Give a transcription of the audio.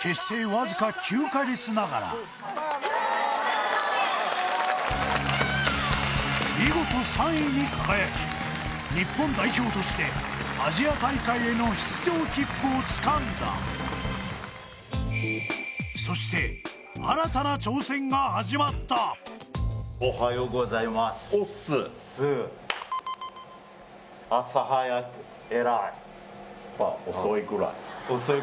わずか９か月ながら見事３位に輝き日本代表としてアジア大会への出場切符をつかんだそして新たな挑戦が始まったおはようございますオッス遅いぐらい？